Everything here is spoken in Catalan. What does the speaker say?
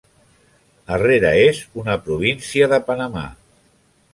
Herrera és una província de Panamà.